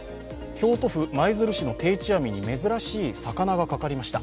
京都府舞鶴市の定置網に珍しい魚がかかりました。